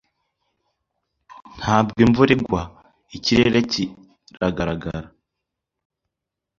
ntabwo imvura igwa ikirere kiragaragara